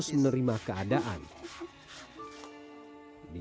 sekarang tresya memiliki rumah yang sangat baik